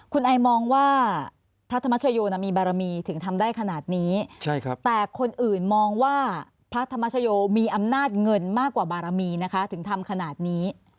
คุณไอมองว่าพระธรรมชโยมีบารมีถึงทำได้ขนาดนี้แต่คนอื่นมองว่าพระธรรมชโยมีอำนาจเงินมากกว่าบารมีนะคะถึงทำขนาดนี้